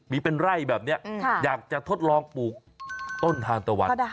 มีเป็นไร่แบบนี้อยากจะทดลองปลูกต้นทานตะวัน